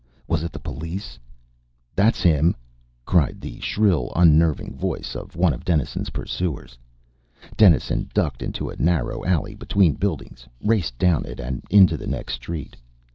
Was it the police? "That's him!" cried the shrill, unnerving voice of one of Dennison's pursuers. Dennison ducked into a narrow alley between buildings, raced down it and into the next street.